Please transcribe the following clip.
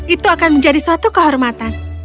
itu akan menjadi suatu kehormatan